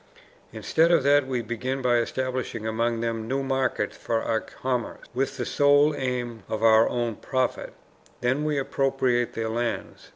Instead of that we begin by establishing among them new markets for our commerce, with the sole aim of our own profit; then we appropriate their lands, i.